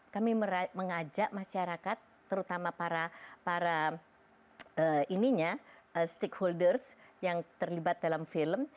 kami mengajak masyarakat terutama para stakeholders yang terlibat dalam film